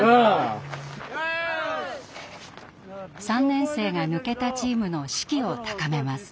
３年生が抜けたチームの士気を高めます。